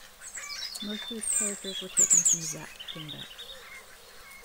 Most of its characters were taken from Zapf Dingbats.